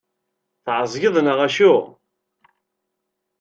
Tεeẓgeḍ neɣ acu?